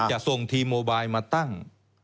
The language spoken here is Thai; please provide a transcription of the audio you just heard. ที่จะส่งทีมโมไบล์มาตั้ง